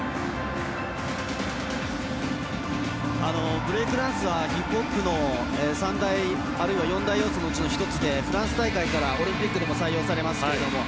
ブレイクダンスはヒップホップの３大、あるいは４大要素の１つでフランス大会からオリンピックでも採用されますが。